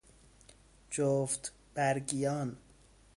جفت برگیان